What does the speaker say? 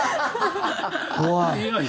怖い。